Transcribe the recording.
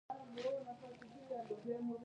ما ورته وویل: نه، ستا اسناد له موږ سره نشته.